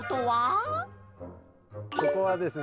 ここはですね。